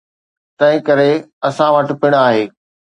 تنهنڪري اسان وٽ پڻ آهي.